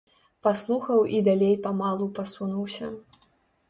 Паслухаў і далей памалу пасунуўся.